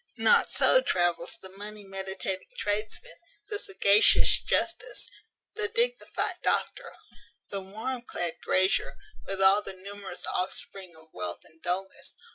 Not so travels the money meditating tradesman, the sagacious justice, the dignified doctor, the warm clad grazier, with all the numerous offspring of wealth and dulness.